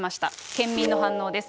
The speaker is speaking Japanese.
県民の反応です。